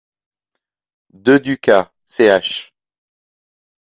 deux Ducas, ch.